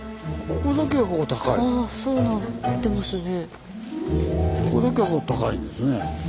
あそうなってますね。